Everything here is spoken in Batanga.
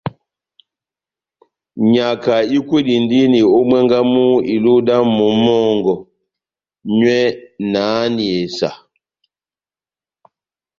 Nyaka ikwedindini ó mwángá mú iluhu dá momó wɔngɔ, nyɔ na háhani esa.